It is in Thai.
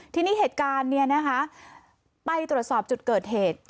ทีนี้เหตุการณ์เนี่ยนะคะไปตรวจสอบจุดเกิดเหตุ